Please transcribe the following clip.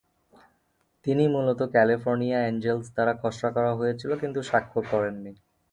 তিনি মূলত California Angels দ্বারা খসড়া করা হয়েছিল কিন্তু স্বাক্ষর করেননি।